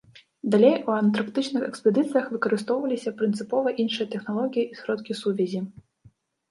Далей у антарктычных экспедыцыях выкарыстоўваліся прынцыпова іншыя тэхналогіі і сродкі сувязі.